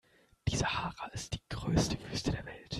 Die Sahara ist die größte Wüste der Welt.